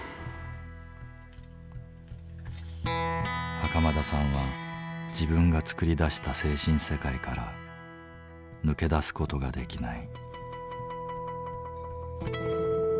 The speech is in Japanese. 袴田さんは自分がつくり出した精神世界から抜け出す事ができない。